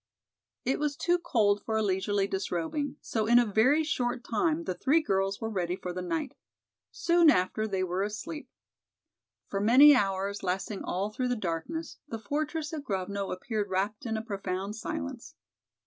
It was too cold for a leisurely disrobing, so in a very short time the three girls were ready for the night. Soon after they were asleep. For many hours, lasting all through the darkness, the fortress at Grovno appeared wrapped in a profound silence.